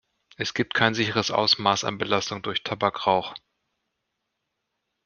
Es gibt kein sicheres Ausmaß an Belastung durch Tabakrauch.